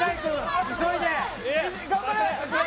頑張れ！